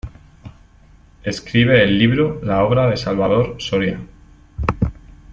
Escribe el libro "La obra de Salvador Soria".